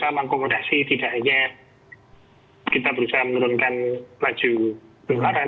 jadi ini langkah yang berusaha mengkomodasi tidak hanya kita berusaha menurunkan laju penularan